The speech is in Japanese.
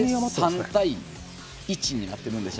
３対１になっているんです。